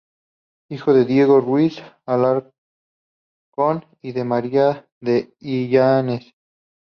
Hijo de Diego Ruiz de Alarcón y de María de Illanes.